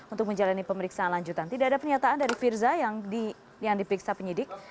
untuk menjalani pemeriksaan lanjutan tidak ada pernyataan dari firza yang diperiksa penyidik